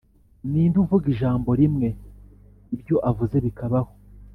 Ni nde uvuga ijambo rimwe, ibyo avuze bikabaho?